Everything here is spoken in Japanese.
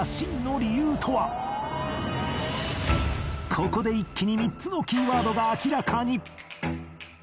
ここで一気に３つのキーワードが明らかに